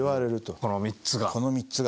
この３つが。